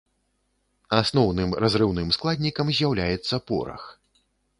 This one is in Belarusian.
Асноўным разрыўным складнікам з'яўляецца порах.